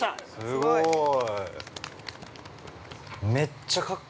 ◆すごーい。